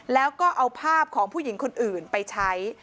แล้วก็เอาภาพของผู้หญิงคนอื่นไปใช้